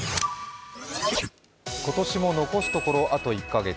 今年も残すところ、あと１か月。